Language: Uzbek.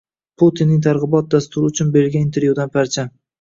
Putinning targ'ibot dasturi uchun berilgan intervyudan parcha